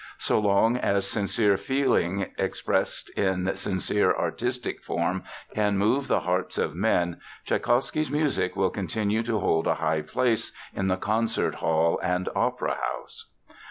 So long as sincere feeling expressed in sincere artistic form can move the hearts of men, Tschaikowsky's music will continue to hold a high place in the concert hall and opera house.